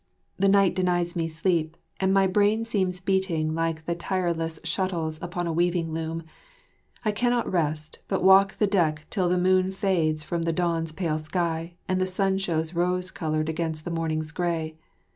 The night denies me sleep, and my brain seems beating like the tireless shuttles upon a weaving loom. I cannot rest, but walk the deck till the moon fades from the dawn's pale sky, and the sun shows rose coloured against the morning's grey.